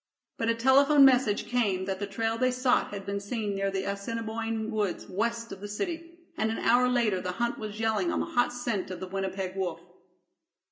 But a telephone message came that the trail they sought had been seen near the Assiniboine woods west of the city, and an hour later the hunt was yelling on the hot scent of the Winnipeg Wolf.